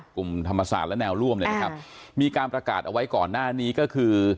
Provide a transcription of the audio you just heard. กลุ่มธรรมศาสตร์และแนวร่วมเนี่ยนะครับมีการประกาศเอาไว้ก่อนหน้านี้ก็คือ